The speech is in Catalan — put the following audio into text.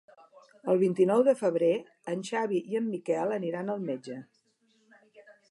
El vint-i-nou de febrer en Xavi i en Miquel aniran al metge.